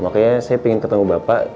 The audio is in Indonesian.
makanya saya ingin ketemu bapak